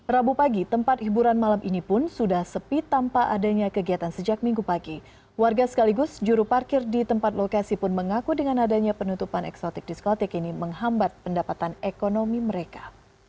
rabu pagi tempat hiburan malam ini pun sudah sepi tanpa adanya kegiatan sejak minggu pagi warga sekaligus juru parkir di tempat lokasi pun mengaku dengan adanya penutupan eksotik diskotik ini menghambat pendapatan ekonomi mereka